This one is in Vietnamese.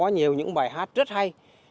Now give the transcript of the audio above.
nhiều những bài hát rất hay